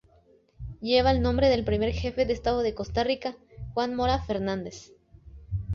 Lleva el nombre del primer Jefe de Estado de Costa Rica, Juan Mora Fernández.